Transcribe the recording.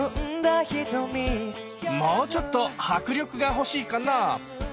もうちょっと迫力が欲しいかな？